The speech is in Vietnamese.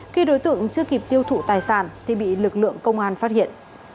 khi đối tượng chưa kịp tiêu thụ tài sản thì bị lực lượng công an phát hiện